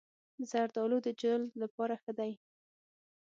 زردالو د جلد لپاره ښه دی.